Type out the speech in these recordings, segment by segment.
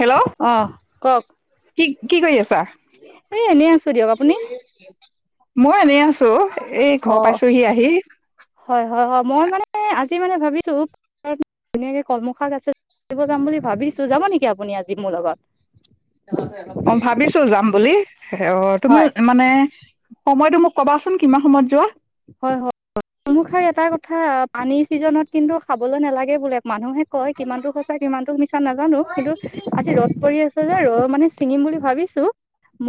Hello আহ কক কি কি কৰি আছা? এ এনেই আছো দিয়ক আপুনি মই এনে আছো এই ঘৰ অ'। পাইছোহি আহি । হয় হয় মই মানে আজি মানে ভাবিছো ধুনীয়াকে কলমশাক আছে যাম বুলি । ভাবিছো যাব নেকি আপুনি আজি মোৰ লগত অ ভাবিছো যাম বুলি অ তুমিও হয়। মানে সময়তটো মোক কবাচোন কিমান সময়ত যোৱা হয় হয়মাৰ এটা কথা । পানী ছিজনত কিন্তু খাবলৈ নালাগে বোলে মানুহে । কয় কিমানতো সঁচা কিমানতো মিছা নাজানো কিন্তু আজি ৰদ পৰি আছছে যে ৰ'দ । মানে চিঙিম বুলি ভাবিছো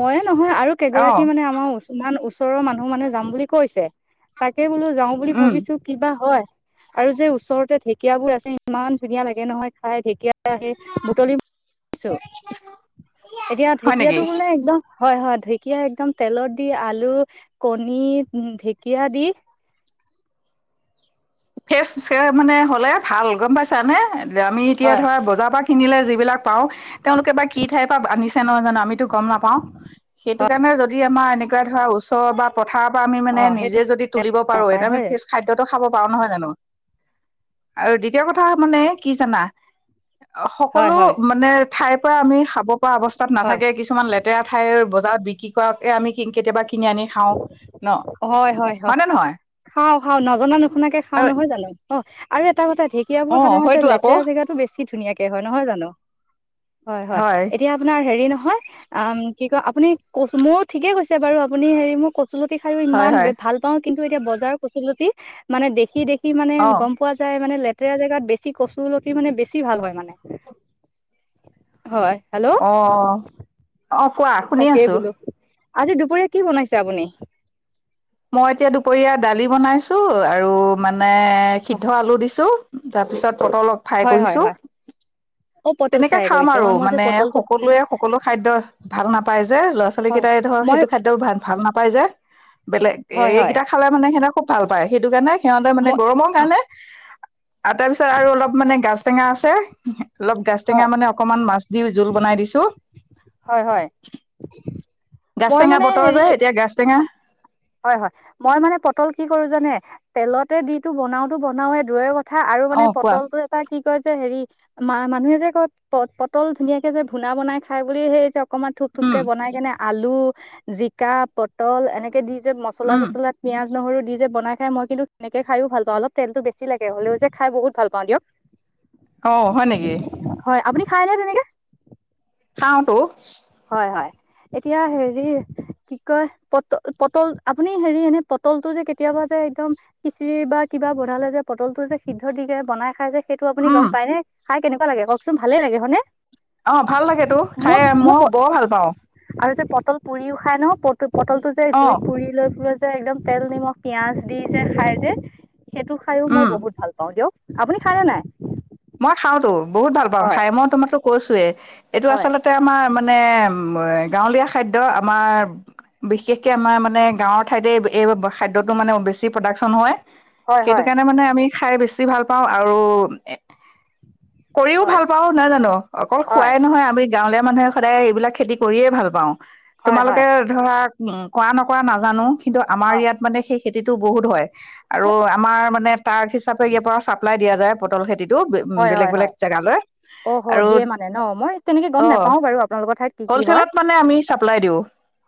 মইে নহয় আৰু অ কেইগৰাকী মানে আমাৰ উ ওচৰৰ মানুহ মানে যাম বুলি কৈছে । তাকে বোলো যাও বুলি উম ভাবিছো কিবা হয় আৰু যে ওচৰতে ঢেকিয়াবোৰ আছে ইমান ধুনীয়া লাগে নহয় খাই ঢেকীয়া মুতলিছো । এতিয়া হয় ঢেকীয়াটো নেকি বোলে একদম হয় হয় ঢেকীয়াা একদম তেলত । দি আলু কণী ঢেকীয়া দি । ফেচ মানে হ'লে ভাল গম পাইছা নে আমি এতিয়া হয় ধৰা বজাৰ পৰা কিনিলে যিবিলাক পাওঁ তেওঁলোকে বা কি ঠাইৰ পৰা আনিছে ন আমিতো গম নাপাও সেইটো হয় কাৰণে যদি আমাৰ এনেকুৱা ধৰা ওচৰ পথাৰ পৰা আমি অ মানে সেই নিজে যদি তুলিব পাৰো নাপায় এটো আমি হয় ফেচ খাদ্যতটো খাব পাৰো নহয় জ আৰু দ্বিতীয় কথা মানে কি জানা? হয় সকলো হয় মানে ঠাইৰ পৰা আমি খাব । ৱা অৱস্থাত হয় নাথাকে কিছুমান লেতেৰা ঠাই বজাৰত বিক্ৰী কৰাকে আমি কেতিয়াবা কিনি আনি খাওঁ । হয় হয় হয় খাও খাও নজনা নুশুনাকে খাও আৰু নহয় জানো অ আৰু এটা কথা ঢেকীয়াবোৰ অ সাধাৰণতে হয়তো আকৌ লেতেৰা জেগাতো বেছি ধুনীয়াকে হয় নহয় জানো । হয় হয় এতিয়া আপোনাৰ হেৰি নহয় । হয় কি কয় আপুনি কচ মোৰ ঠিকে কৈছে বাৰু আপুনি হেৰি মোৰ কচত খাইও হয় ইমান হয় ভাল পাওঁ কিন্তু এতিয়া বজাৰৰ কচলতি মানে দেখি দেখি কি মানে অ গম পোৱা যায় মানে লতেৰা জেগাত বেছি কচুলতি মানে বেছি ভাল হয় মানে হয়। হেল্ল'? অ অ', কোৱা শুনি তাকেই আছো । বোলো আজি দুপৰীয়া কি বনাইছে আপুনি? মই এতিয়া দুপৰীয়া দালি বনাইছো আৰু মানে অ সিদ্ধ আলু দিছো। তাৰপিছত পটল অক ফ্ৰাই হয় হয় কৰিছোঁ। হয় অ পটল তেনেকে ফ্ৰাই খাম কৰিছে আৰু হয় মই যে মানে পটলটো সকলোৱে সকলো খাদ্য ভাল নাপায় যে ল'ৰা ছোৱালী হয় কেইটাই ধৰ মই সেইটো খাদ্যও ভ-ভাল নাপাই যে, বেলেগ হয় হয় এইকেইটা খালে মানে সিহঁক খুব ভাল পায় সেইটো কাৰণে সিহঁতে মানে মই গৰমৰ কাৰণে আৰু তাৰপিছত আৰু অলপ মানে গাাজ টেঙা আছে অলপ গাজ টেঙা হয় মানে অকমান মাছ দি জোল বনাই দিছো । হয় হয় গাছ টেঙা বতৰ যায় এতিয়া গাছ টেঙা হয়-হয়, মই মানে পটল কি কৰো জানে? তেলতে দিটো বনাওতটো বনাওে দয় ক কথা আৰু অ মানে কোৱা পটলটো এটা কি কয় যে হেৰি ম-মানুহে যে কয় প-পটল ধুনীয়াকে যে ভূনা বনাই খাই বুলি সেই যে অকমান থোপ-থোপ কে উম বনাই কেনে আলু, জিকা, পটল, এনেকে দি যে মছলা উম চছলা পিঁয়াজ নহৰু দি যে বনাই খাই মই কিন্তু তেনেকে খাইও ভাল পাও, অলপ তেলটো বেছি লাগে হলেও যে খাই বহুত ভাল পাওঁ দিয়ক। অ', হয় নেকি? হয় আপুনি খায়নে তেনেকে? খাওঁতো। হয়-হয়, এতিয়া হেৰি কি কয় পট-পটল আপুনি হেৰি এনে পটলটো যে কেতিয়াবা যে একদম খিচিৰি বা কিবা বনালে যে পটল টো যে সিদ্ধ দি বনাই খাই যে সেইটো আপুনি উম গম পাই নে, খাই কেনেকুৱা লাগে কওকচোন ভালে লাগে হয়নে? অ', ভাল লাগেত তো খাই মই বৰ ভাল পাওঁ। আৰু যে পটল পুৰিউ খাই ন, প-পটল টো যে অ জুইত পুৰি লৈ প যে একদম তেল নিমখ পিয়াজ দি যে খাই যে সেইটো খাইয়ো উম মই বহুত ভাল পাওঁ দিয়ক। আপুনি খাইনে নাই? মই খাওতো বহুত ভাল পাওঁ হয় খাই। মই তোমাতো কৈছোয়ে এইটো হয় আচলতে আমাৰ মানে গাঁৱলীয়া খাদ্য আমাৰ বিশেষকে আমাৰ মানে গাঁৱৰ ঠাইতে এই খাদ্যটো মানে বেছি প্ৰডাকশচন হয়। হয় সেইটো হয় কাৰণে মানে আমি খাই বেছি ভাল পাওঁ আৰু কৰিও হয় ভাল পাও নহয় জানো? অকল হয় খোৱাই নহয় আমি গাঁৱলীয়া মানুহে সদায় এইবিলাক খেতি কৰিয়ে ভাল পাওঁ। হয় হয় হয় তোমালোকে ধৰা উম, কৰা নকৰা নাজানো কিন্তু আমাৰ হয় ইয়াত মানে সেইষ খেতিটো বহুত হয় আৰু আমাৰ মানে তাৰ্ক হিচাপে ইয়াৰ পৰা চাপ্লাই দিয়া যায় পটল খেতিত টো উম, হয় হয় হয় বেলেগ-বেলেগ জেগালৈ। অ-হ', আৰু দিয়ে মানে ন? মই তেনেকে গম অ' নোপাও বাৰু আপোনালোকৰ ঠাইত কি-কি হয়। হ'লচেলত মানে আমি চাপ্লাই দিওঁ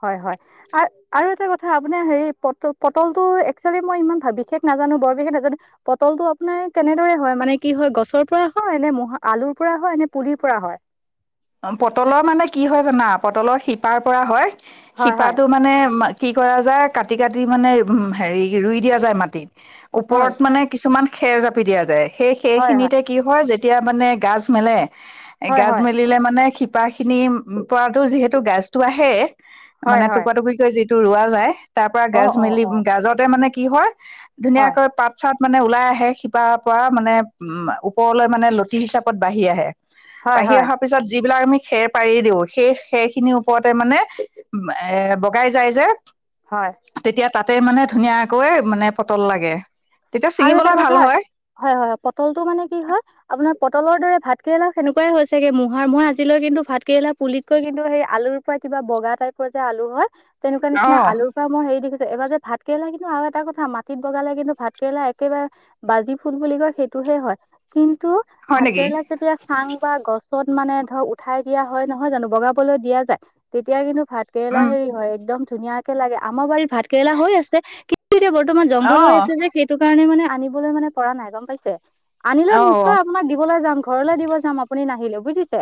হয়-হয়, আৰ-আৰু এটা কথা আপোনাৰ হেৰি পট-পটল টো একচুৱেলি মই ইমান বিশেষ নাজানো বৰ বিশেষ নাজানো পটলটো আপোনাৰ কেনেদৰে হয় মানে কি হয় গছৰ পৰা হয় নে ম আলুৰ পৰা হয় নে পুলিৰ পৰা হয়? পটলৰ মানে কি হয় জানা পটলৰ শিপাৰ পৰা হয়। হয় শিপাটো মানে কি কৰা যায় কাটি-কাটি মানে উ হেৰি ৰুই দিয়া যায় মাটিত, হয় ওপৰত মানে কিছুমান খেৰ জাপি দিয়া যায়, সেই হয় হয় সেইখিনিতে কি হয় যেতিয়া মানে গাজ মেলে এ গাজ হয়-হয়। মেলিলে মানে শিপা খিনি পৰাতো যিহেতু গাজটো আহে হয় মানে হয় টুকুৰা-টুকুৰিকৈ যি টো ৰোৱা যায় তাৰ পৰা অ গাজ অ মেলি অ গাজতে মানে কি হয়, হয় ধুনীয়াকৈ পাত-চাত মানে ওলাই আহে শিপাৰ পৰা মানে উম, ওপৰলৈ মানে লতি হিচাপত বাঢ়ি আহে। বাঢ়ি হয়-হয়। অহাৰ পিছত যিবিলাক আমি খেৰ পাৰি দিওঁ, সেই খেৰ খিনিৰ ওপৰতে মানে এ, বগাই যায় যে হয় তেতিয়া তাতে মানে ধুনীয়াকৈ মানে পটল লাগে। তেতিয়া আৰু এটা ছিঙিবলৈ ভাল কথা, হয় হয় হয় পটলটো মানে কি হয় আপোনাৰ পটলৰ দৰে ভাতকেৰেলাও সেনেকুৱাই হৈছেগে। মহাৰ মহ আজিলৈ কিন্তু ভাতকেৰেলাৰ পুলিতকৈ কিন্তু সেই আলুৰ পৰা কিবা বগা টাইপৰ যে আলু হয়। তেনেকুৱা অ নিচিনা আলুৰ পৰা মই হেৰি দেখিছো। এবাৰ যে ভাত কেৰেলা কিন্তু আৰু এটা কথা মাটিত বগালে কিন্তু ভাত কেৰেলা একেবাৰে বাজি ফুট বুলি কয় সেইটোহে হয়। কিন্তু কিন্তু হয় ভাত নেকি কেৰেলা যেতিয়া চাং বা গছ ত মানে ধৰ উঠাই দিয়া হয়। নহয় জানো বগাবলৈ দিয়া যায়, তেতিয়া কিন্তু ভাত কেৰেলা উম হেৰি হয় একদম ধুনীয়াকে লাগে ।আমাৰ বাৰীত ভাত কেৰেলা হৈ আছে। কি ন্তু এতিয়া বৰ্তমান অ জংঘল হৈ আছে যে। সেইটো কাৰণে মানে আনিবলৈ মানে পৰা নাই গম পাইছে। আনিলে অ নিশ্চয় আপোনাক দিবলৈ যাম। ঘৰলৈ দিব যাম আপুনি নাহিলেও বুজিছে।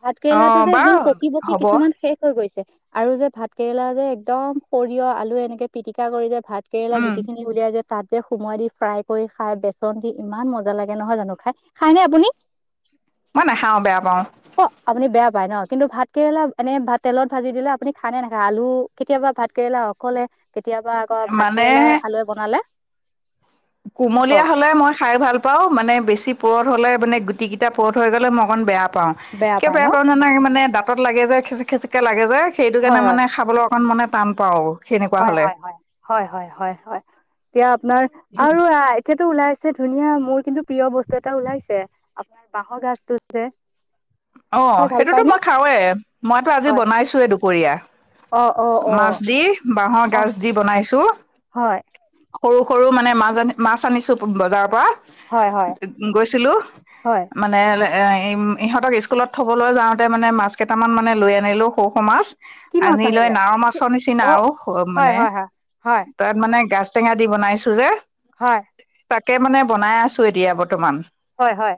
ভাতকেৰেলাটো অ' যে বাৰু একদম পকি পকি হ'ব কিছুমান শেষ হৈ গৈছে। আৰু যে ভাত কেৰেলা যে একদম সৰিয়হ, আলু এনেকে পিটিকা কৰি যে ভাতকেৰেলা উম, গুটিখিনি উলিয়াই যে তাত সোমোৱাই দি ফ্ৰাই কৰি খাই বেচন দি ইমান মজা লাগে নহয় জানো খাই। খাইনে আপুনি? মই নাখাওঁ, বেয়া পাওঁ। পাই ন? কিন্তু ভাত কেৰেলা এনে বা তেলত ভাজি দিলে আপুনি খায় নে নাখায়? আলু কেতিয়াবা ভাত কেৰেলা অকলে কেতিয়াবা আকৌ ভাত মানে কেৰেলাই আলুৱে বনালে। কুমলীয়া কওক হলে মই খাই ভাল পাও। মানে বেছি পূৰঠ হ'লে মানে গুটি কেইটা পূৰঠ হৈ গ'লে ম অকন বেয়া পাওঁ। কিয় পায় ন। বেয়া পাও মানে মানে দাঁতত লাগে যে, খিচিক খিছিককে লাগে যে যে সেইটো কাৰণে মানে খাবলৈ অকণ মানে টান পাওঁ আও। হয়-হয়-হয়-হয়-হয়-হয়। এতিয়া আপোনাৰ আৰু এতিয়া ওলাইছে ধুনীয়া মোৰ কিন্তু প্ৰিয় বস্তু এটা ওলাইছে আপোনাৰ বাঁহৰ গাজটো যে। অ খাই ভাল সেইটোতো পায়নে? মই খাওৱে। মইতো আজি হয়, বনাইছোৱে দুপৰীয়া। অ', অ', মাছ অ', দি, বাঁহৰ অ', গাজ দি বনাইছো। হয়, সৰু সৰু মানে মাছ আ মাছ আনিছো বজাৰৰ পৰা। হয়, হয়, গৈছিলো। হয়, মানে এ ইহঁতক ইছ স্কুলত থ'বলৈ যাওঁতে মানে মাছ কেইটামান মানে লৈ আনিলোঁ, সৰু সৰু মাছ। কি মাছ আনি লৈ আনিলে? নাৱ কি- মাছৰ নিচিনা অ', আৰু হয়, মানে হয়, হয়, হয়, তাত মানে গাজ টেঙা দি বনাইছো যে। হয়। তাকে মানে বনাই আছো এতিয়া বৰ্তমান। হয়, হয়।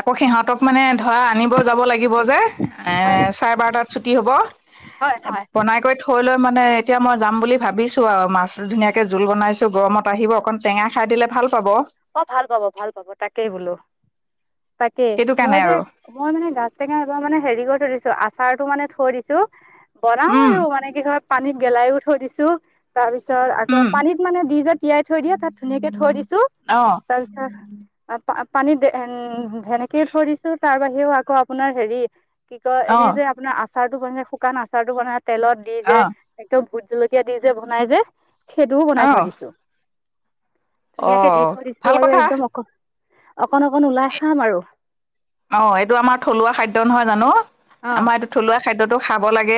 আকৌ সিহঁতক মানে ধৰা আনিব যাব লাগ গিব জেহ। এ হয়, চাৰে বাৰটাত ছুটি হব। হয়, হয়, বনাই কৰি থৈ লৈ মানে এতিয়া মই যাম বুলি ভাবিছোঁ আৰু। মাছ ধুনীয়াকে জোল বনাইছোঁ গৰমত আহিব। অকণ টেঙা খাই দিলে ভাল পাব। অ ভাল পাব, ভাল পাব। তাকেই বোলো। তাকে। সেইটো মই কাৰণে যে আৰু মই মানে গাছ টেঙা এবাৰ মানে হেৰি কৰি থৈ দিছোঁ আছা আচাৰটো মানে থৈ দিছো। বনাও উম আৰু মানে কি হয় পানীত গেলাইও থৈ দিছো। তাৰ পিছত ছত আকৌ উম পানীত মানে দি যে তিয়াই থৈ দিয়ে তাত ধুনীয়াকে থৈ দিছো। অ তাৰপিছত প পানী ধেনেকে থৈ দিছো। তাৰ বাহিৰেও আকৌ আপোনাৰ হেৰি কি কয় অ এনেই যে আপোনাৰ আচাৰটো বনে শুকান আচাৰটো বন তেলত দি যে অ এদম ভোট জলকীয়া দি যে বনাই যে। সেইটোও বনাই থৈ অ দিছো। ধুনীয়াকে দি অ', থৈ দিছো ভাল আৰু কথা। একদম অক অকণ অকণ ওলাই খাম আৰু। অ এইটো আমাৰ থলুৱা খাদ্য নহয় জানো? অ আমাৰ এইটো থলুৱা খাদ্যটো খাব লাগে।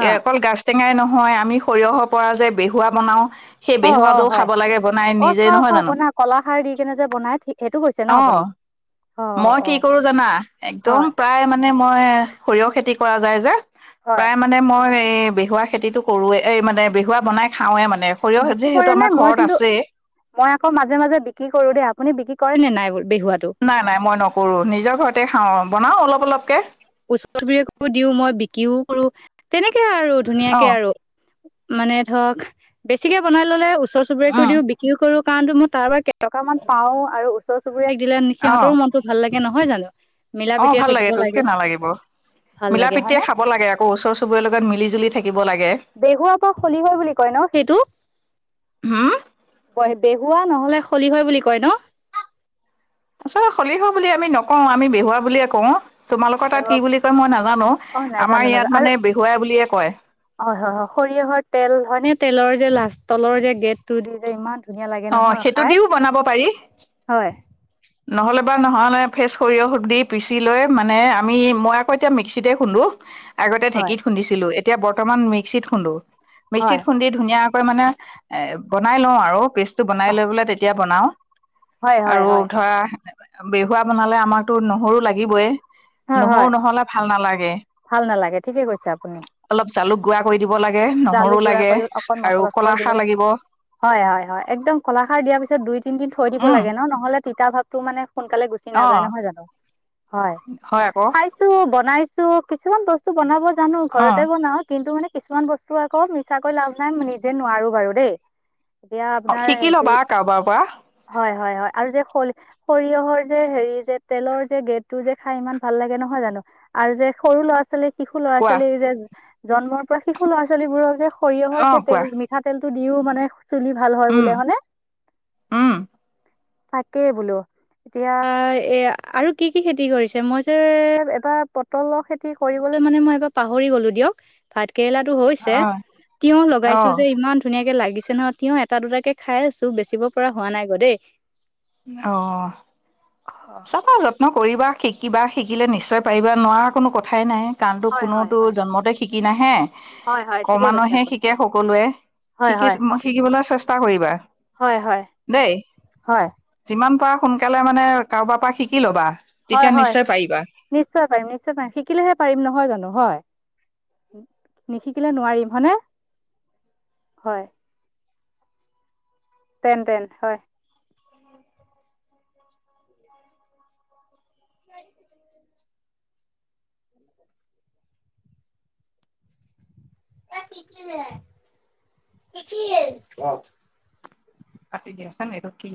অ এ অকল গাছ টেঙাই নহয়। আমি সৰিয়হৰ পৰা যে বেহুৱা বনাও। সেই অ অ বেহুৱাটো হয় খাব লাগে বনাই অ নিজেই। খাওঁ নহয় খাওঁ জানো? বনা কলাখাৰ দি কেনে যে বনাই ঠিক সেইটো কৈছে ন অ আপুনি অ অ মই অ কি কৰো জানা? হয় একদম প্ৰায় মানে মই সৰিয়হ খেতি কৰা যায় যে। হয় প্ৰায় মানে মই এই বেহুৱা খেতিটো কৰোৱে। এই মানে বেহুৱা বনাই খাওৱে মানে। সৰিয়হ বিক্ৰী যিহেতু কৰে নে? আমাৰ মই ঘৰত কিন্তু আছেই মই আকৌ মাজে মাজে বিক্ৰী কৰো দেই। আপুনি বিক্ৰী কৰে নে নাই? বেহুৱাটো নাই নাই মই নকৰো নিজৰ ঘৰতে খাওঁ বনাওঁ অলপ অলপকে। ওচৰ চুবুৰীয়াক দিও মই বিক্ৰীও কৰো তেনেকে আৰু ধুনীয়াকে অ', আৰু। মানে ধৰক বেছিকে বনাই ললে ওচৰ চুবুৰীয়াকে উম, দিওঁ বিক্ৰীও কৰো কাৰণো মই তাৰ পৰা। টকামান পাও আৰু ওচৰ চুবুৰীয়াক দিলে অ'। সিহঁতৰো মনতো ভাল লাগে নহয় জানো? মিলা অ ভাল প্ৰীতিৰে থাকিব তোক কিয় লাগে? নালাগিব ভাল মিলা লাগে প্ৰীতি হয়নে খাব লাগে আকৌ ওচৰ চুবুৰীয়াৰ লগত মিলি জুলি থাকিব লাগে। সেইবোৰ আকৌ খলি হয় হুম বুলি কয় ন। আচল সলিহ বুলি আমি নকওঁ আমি বেহুৱা বুলিয়ে কওঁ। তোমালোকৰ তাত কি অ বুলি কয় মই নাজানো আমাৰ নাজানো ইয়াত নাজানো আৰু মানে বেহুৱাই বুলিয়ে কয়। হয় হয় সৰিয়হৰ তেল হয় নে তেলৰ যে লাষ্ট তলৰ যে গেট টো দি যে ইমান। ধুনীয়া লাগে অ নহয় সেইটো খাই দিও বনাব পাৰি। হয় নহলে বাৰ নহ'লে ফ্ৰেচ সৰিয়হ দি পিচি লৈ মানে আমি মই আকৌ এতিয়া মিক্সিতে খুন্দো। উ আগতে হয় ঢেঁকীত খুন্দি চিলো এতিয়া বৰ্তমান মিক্সিত খুন্দো মিক্সিত হয় খুন্দি ধুনীয়াকে মানে এ বনাই লওঁ আৰু পেষ্টটো বনাই লৈ পেলাই তেতিয়া বনাও। হয় হয় আৰু হয়। ধৰা বেহুৱা বনালে আমাৰতো নহৰু লাগিবই। হয় নহৰু হয় নহলে ভাল নালাগে ভাল নালাগে ঠিকে কৈছে আপুনি অলপ জালুক গুড়া কৰি দিব লাগে নহৰু জালুক গুড়া লাগে কৰি অকন আৰু মচলা চচলা কলাখাৰ দিবলে লাগিব হয় হয় হয় একদম কলাখাৰ দিয়াৰ পিছত দুই তিন দিন থৈ দিব উম লাগে ন নহলে তিতা ভাৱটো মানে সোনকালে গুচি অ নাযায় নহয় জানো? হয় হয় আকৌ খাইছো বনাইছো। কিছুমান বস্তু বনাব জানো অ ঘৰতে বনাও কিন্তু মানে কিছুমান বস্তু তো আকৌ মিছাকৈ লাভ নাই নিজে নোৱাৰো বাৰু দেই। এতিয়া অ', আপোনাৰ শিকি ল'বা কাৰোবাৰ পৰা হয় হয় হয় আৰু যে সৰিয়হৰ যে হেৰি যে তেলৰ যে গেটটো যে খাই ইমান ভাল লাগে নহয় জানো? আৰু যে সৰু ল'ৰা ছোৱালী শিশু ল'ৰা কোৱা ছোৱালী যে জন্মৰ পৰা শিশু ল'ৰা ছোৱালীবোৰৰ যে সৰিয়হৰ অ সেই তেল কোৱা মিঠাতেল টো দিও মানে চুলি ভাল হয় উম বোলে হয় নে? উম তাকেই বোলো। এতিয়া এ আৰু কি কি খেতি কৰিছে? মই যে এবাৰ পটলৰ খেতি কৰবলে মানে মই এইবাৰ পাহৰি গলো দিয়ক, ভাত কেৰেলাটো হৈছে, অ তিয়হ অ লগাইছো যে ইমান ধুনীয়াকে লাগিছে নহয় তিয়হ এটা দুটাকে খাই আছো বেচিব পৰা হোৱা নাই ক দেই। অ। অ চপা যত্ন কৰিবা শিকিবা শিকিলে নিশ্চয় পাৰিবা নোৱাৰা কোনো কথাই নাই। কাৰণটো হয় হয় কোনোতো হয় জন্মতে শিকি নাহে হয় হয় ঠিকে কৈছে কমানুহে আপুনি শিকে সকলোৱে। হয় শিকি হয় শিকিবলৈ চেষ্টা কৰিবা হয় হয় দেই হয় যিমান পাৰ। সোনকালে মানে কাৰোবাৰ পৰা শিকি লবা। হয় তেতিয়া হয় নিশ্চয় পাৰিবা। নিশ্চয় পাৰিম নিশ্চয় পাৰিম শিকিলেহে পাৰিম নহয় জানো? হয়! নিশিকিলে নোৱাৰিম হয়নে? হয়! তেন তেন হয়। [inaudible] [inaudible] কাটি দিছা নেত ৰ কি?